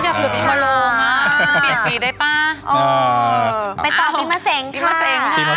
แม่บ้านประจันบัน